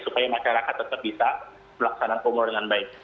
supaya masyarakat tetap bisa melaksanakan umroh dengan baik